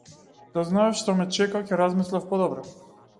Да знаев што ме чека ќе размислев подобро.